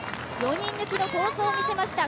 ４人抜きの好走を見せました